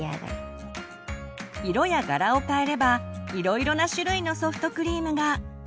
色や柄を変えればいろいろな種類のソフトクリームが。